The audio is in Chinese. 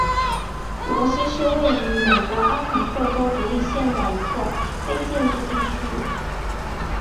罗西是位于美国阿肯色州独立县的一个非建制地区。